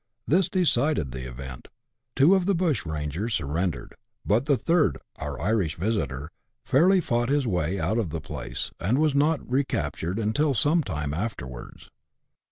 This decided the event ; two of the bushrangers sur rendered ; but the third, our Irish visitor, fairly fought his way 42 BUSH LIFE IN AUSTRALIA. [chap. iv. out of the place, and was not recaptured until some time afterwards.